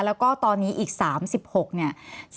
แล้วก็ตอนนี้อีก๓๖เนี่ย